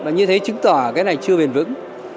như thế chứng tỏ cái này chưa bền vững